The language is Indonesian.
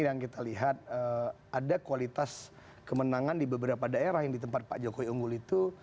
yang kita lihat ada kualitas kemenangan di beberapa daerah yang di tempat pak jokowi unggul itu